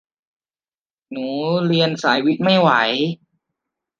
หนูเรียนสายวิทย์ไม่ไหว